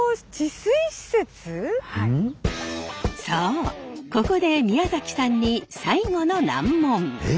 そうここで宮崎さんに最後の難問！